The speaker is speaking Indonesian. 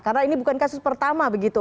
karena ini bukan kasus pertama begitu